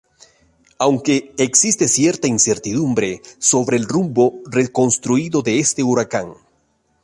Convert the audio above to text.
Aunque existe cierta incertidumbre sobre el rumbo reconstruido de este huracán.